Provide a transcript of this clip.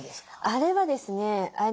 あれはですね